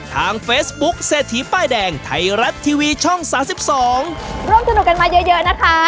ทางเฟสบุ๊คเศรษฐีป้ายแดงไทยรัดทีวีช่องสามสิบสองร่วมสนุกกันมาเยอะเยอะนะคะ